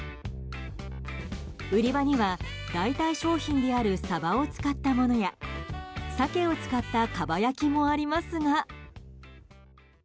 売り場には、代替商品であるサバを使ったものやサケを使ったかば焼きもありますが。